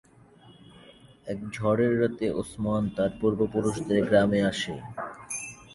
এক ঝড়ের রাতে ওসমান তার পূর্বপুরুষদের গ্রামে আসে।